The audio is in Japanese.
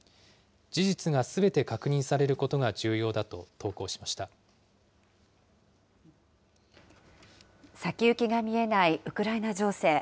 事実がすべて確認されることが重先行きが見えないウクライナ情勢。